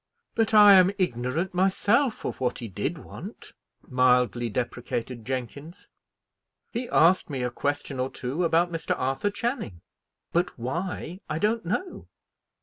"But I am ignorant myself of what he did want," mildly deprecated Jenkins. "He asked me a question or two about Mr. Arthur Channing, but why I don't know."